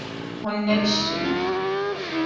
Hûn nebişirîne.